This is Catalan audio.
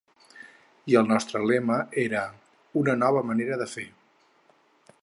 I el nostre lema era ‘Una nova manera de fer’.